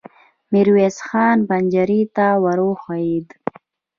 ميرويس خان پنجرې ته ور وښويېد.